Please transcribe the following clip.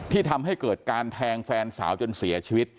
ทำให้เกิดการแทงแฟนสาวจนเสียชีวิต